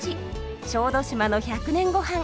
小豆島の「１００年ゴハン」